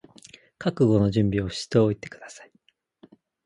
覚悟の準備をしておいてください